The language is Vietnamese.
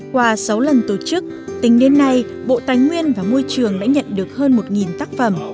qua sáu lần tổ chức tính đến nay bộ tài nguyên và môi trường đã nhận được hơn một tác phẩm